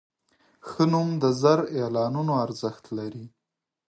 ښه نوم د زر اعلانونو ارزښت لري.